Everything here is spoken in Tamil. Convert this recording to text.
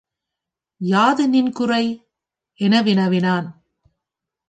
யாது நின் குறை? என வினவினான்.